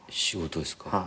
仕事ですか？